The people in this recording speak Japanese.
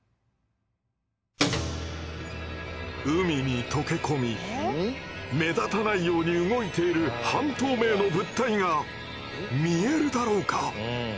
海に溶け込み目立たないように動いている半透明の物体が見えるだろうか。